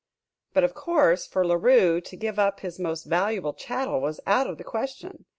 But, of course, for La Rue to give up this most valuable chattel was out of the question.